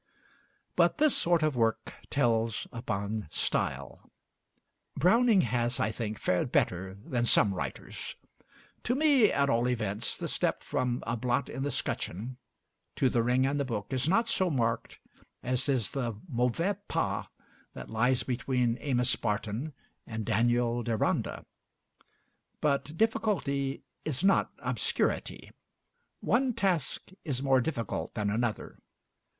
But this sort of work tells upon style. Browning has, I think, fared better than some writers. To me, at all events, the step from 'A Blot in the 'Scutcheon' to 'The Ring and the Book' is not so marked as is the mauvais pas that lies between 'Amos Barton' and 'Daniel Deronda.' But difficulty is not obscurity. One task is more difficult than another.